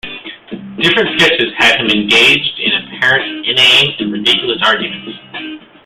Different sketches had him engaged in apparent inane and ridiculous arguments.